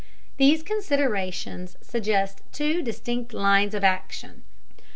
These considerations suggest two distinct lines of action.